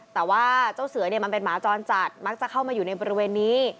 แต่ว่าเจ้าเสือเนี่ยมันเป็นหมาจรจัดมักจะเข้ามาอยู่ในบริเวณนี้